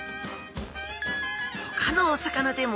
ほかのお魚でも。